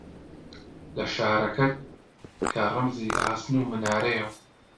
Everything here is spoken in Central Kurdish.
لە شارەکەت، کە ڕەمزی ئاسن و منارەیە